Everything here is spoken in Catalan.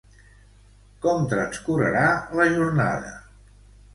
Com transcorrerà la jornada?